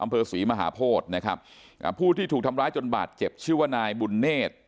อำเภอศรีมหาโพธินะครับอ่าผู้ที่ถูกทำร้ายจนบาดเจ็บชื่อว่านายบุญเนธ